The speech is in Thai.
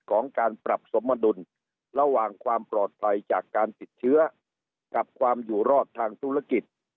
ของการปรับสมดุลระหว่างความปลอดภัยจากการติดเชื้อกับความอยู่รอดทางธุรกิจ